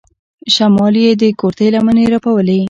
شمال يې د کورتۍ لمنې رپولې.